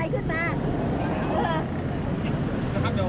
จ้าว